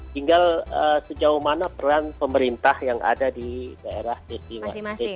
tinggal sejauh mana peran pemerintah yang ada di daerah destinasi wisata tersebut